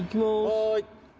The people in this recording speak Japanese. はい。